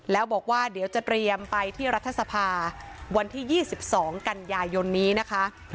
แล้วบอกว่าเดี๋ยวจะเตรียมไปที่รัฐสภาวันที่๒๒กันยายนนี้นะคะ